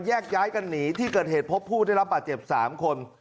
แยกย้ายกันหนีที่เกิดเหตุพบผู้ได้รับบาดเจ็บ๓คน